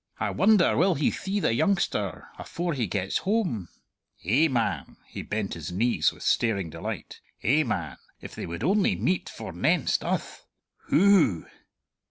"I wonder will he thee the youngster afore he gets hame! Eh, man" he bent his knees with staring delight "eh, man, if they would only meet forenenst uth! Hoo!"